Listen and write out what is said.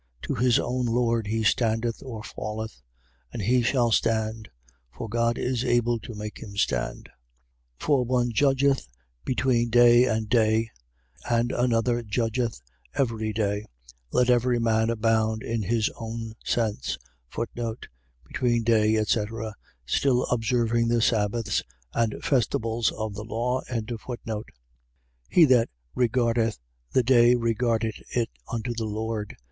To his own lord he standeth or falleth. And he shall stand: for God is able to make him stand. 14:5. For one judgeth between day and day: and another judgeth every day. Let every man abound in his own sense. Between day, etc. . .Still observing the sabbaths and festivals of the law. 14:6. He that regardeth the day regardeth it unto the Lord.